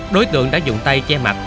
đối tượng đã dùng tay che mặt